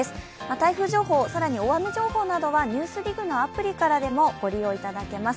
台風情報、更に大雨情報などは「ＮＥＷＳＤＩＧ」のアプリからでもご利用いただけます。